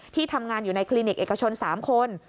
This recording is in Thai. ทำงานอยู่ในคลินิกเอกชน๓คน